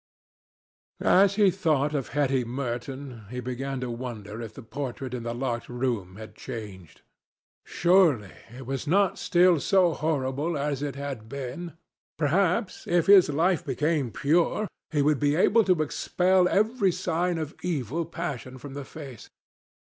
As he thought of Hetty Merton, he began to wonder if the portrait in the locked room had changed. Surely it was not still so horrible as it had been? Perhaps if his life became pure, he would be able to expel every sign of evil passion from the face.